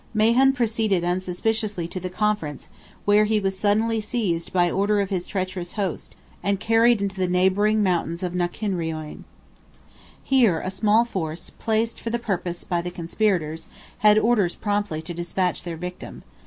Mahon proceeded unsuspiciously to the conference, where he was suddenly seized by order of his treacherous host, and carried into the neighbouring mountains of Knocinreorin. Here a small force, placed for the purpose by the conspirators, had orders promptly to despatch their victim.